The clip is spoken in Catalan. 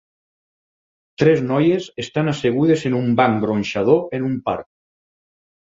Tres noies estan assegudes en un banc gronxador en un parc.